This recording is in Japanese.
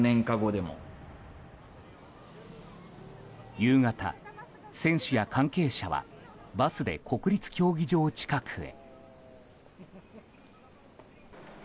夕方、選手や関係者はバスで国立競技場近くへ。